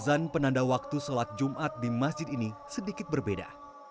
azan penanda waktu sholat jumat di masjid ini sedikit berbeda